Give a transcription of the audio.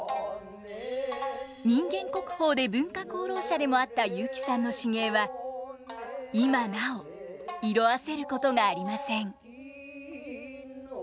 人間国宝で文化功労者でもあった雄輝さんの至芸は今なお色あせることがありません。